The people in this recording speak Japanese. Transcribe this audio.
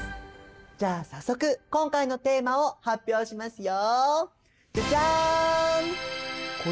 じゃあ早速今回のテーマを発表しますよ。